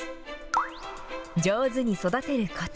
上手に育てるこつ。